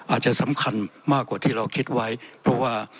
อาจจะสำคัญมากกว่าที่เราคิดไว้เพราะว่า